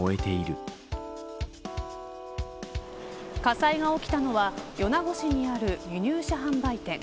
火災が起きたのは米子市にある輸入車販売店。